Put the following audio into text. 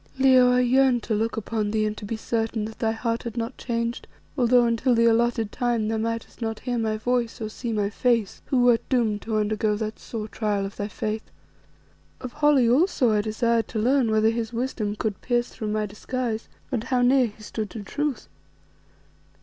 "Leo, I yearned to look upon thee and to be certain that thy heart had not changed, although until the alloted time thou mightest not hear my voice or see my face who wert doomed to undergo that sore trial of thy faith. Of Holly also I desired to learn whether his wisdom could pierce through my disguise, and how near he stood to truth.